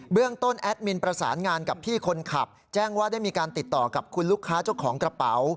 เรื่องต้นแอดมินประสานงานกับพี่คนขับแจ้งว่าได้มีการติดต่อกับคุณลูกค้าเจ้าของกระเป๋า